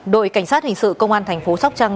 đội cảnh sát hình sự công an thành phố sóc trăng